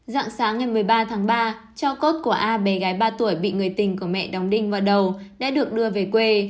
dạng sáng ngày một mươi ba tháng ba cho cốt của a bé gái ba tuổi bị người tình của mẹ đóng đinh vào đầu đã được đưa về quê